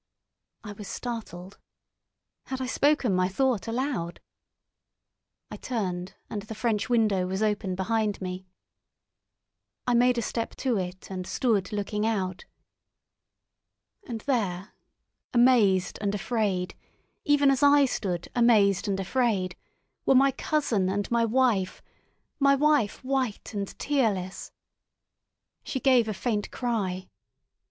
I was startled. Had I spoken my thought aloud? I turned, and the French window was open behind me. I made a step to it, and stood looking out. And there, amazed and afraid, even as I stood amazed and afraid, were my cousin and my wife—my wife white and tearless. She gave a faint cry.